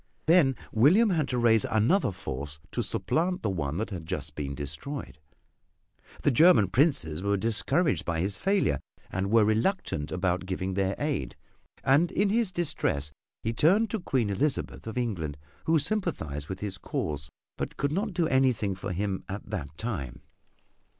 Then William had to raise another force to supplant the one that had just been destroyed. The German princes were discouraged by his failure and were reluctant about giving their aid; and in his distress he turned to Queen Elizabeth of England, who sympathized with his cause, but could not do anything for him at that time.